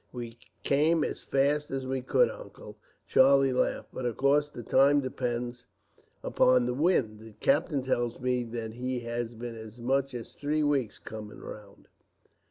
"We came as fast as we could, Uncle," Charlie laughed; "but of course the time depends upon the wind. The captain tells me that he has been as much as three weeks coming round."